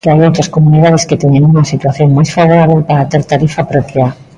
Que hai outras comunidades que teñen unha situación máis favorábel para ter tarifa propia.